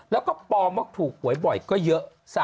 แล้วก็ปลอมว่าถูกหวยบ่อยก็เยอะ